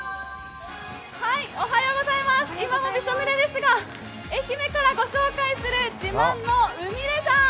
今もびしょぬれですが、愛媛からご紹介する自慢の海レジャー。